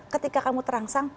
ketika kamu terangsang